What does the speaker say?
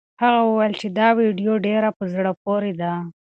هغه وویل چې دا ویډیو ډېره په زړه پورې ده.